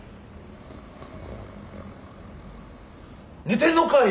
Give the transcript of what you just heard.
寝てんのかい！